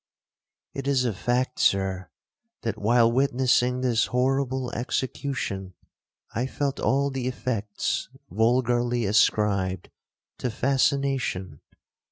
'It is a fact, Sir, that while witnessing this horrible execution, I felt all the effects vulgarly ascribed to fascination.